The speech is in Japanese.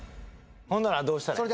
ほんならどうしたらいい？